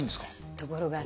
ところがね。